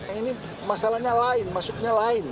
ini masalahnya lain masuknya lain